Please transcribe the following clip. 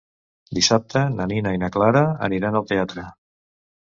Dissabte na Nina i na Clara aniran al teatre.